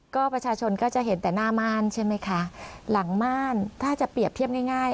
ก็ประชาชนก็จะเห็นแต่หน้าม่านใช่ไหมคะหลังม่านถ้าจะเปรียบเทียบง่าย